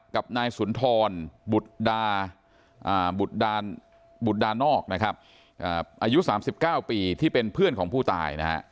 กับนายสุนทรบุตรดานอกอายุ๓๙ปีที่เป็นเพื่อนของผู้ตาย